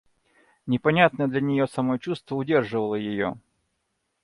Непонятное для нее самой чувство удерживало ее.